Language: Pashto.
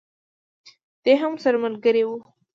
دی هم ورسره ملګری وو.